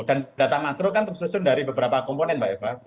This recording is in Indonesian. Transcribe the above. dan data makro kan tersusun dari beberapa komponen mbak eva